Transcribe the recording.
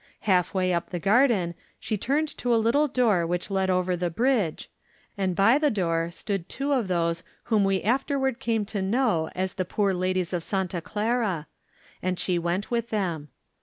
Half way up the gar den she turned to a little door which led over the bridge, and by the door stood two of those whom we afterward came to know as the Poor Ladies of Santa Clara, and she went with them.